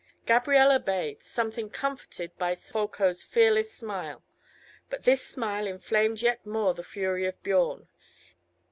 Gabrielle obeyed, something comforted by Folko's fearless smile, but this smile inflamed yet more the fury of Biorn.